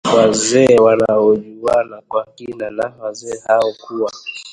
wazee wanaojuwana kwa kina na wazee hao kuwa